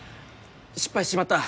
失敗しちまった。